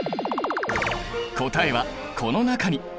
答えはこの中に。